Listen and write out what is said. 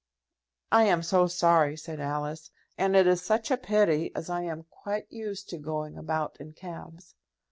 "I am so sorry," said Alice. "And it is such a pity, as I am quite used to going about in cabs."